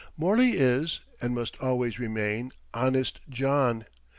Morley is, and must always remain, "Honest John."